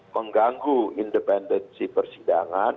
mengganggu independensi persidangan